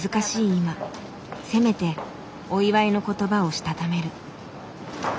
今せめてお祝いの言葉をしたためる。